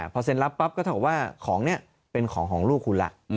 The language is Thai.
พอเซ็นรับปั๊บก็เท่ากับว่าของนี้เป็นของของลูกคุณล่ะ